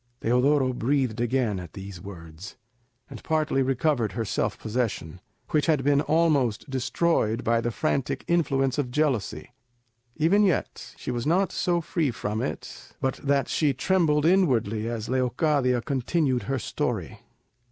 Teodoro breathed again at these words, and partly recovered her self possession, which had been almost destroyed by the frantic influence of jealousy. Even yet she was not so free from it but that she trembled inwardly as Leocadia continued her story.